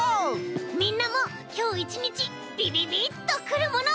みんなもきょういちにちビビビッとくるもの。